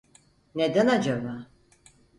Neden acaba?